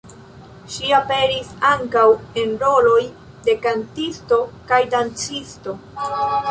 Ŝi aperis ankaŭ en roloj de kantisto kaj dancisto.